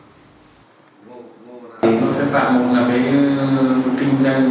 chúng tôi sẽ phạm một lần kinh doanh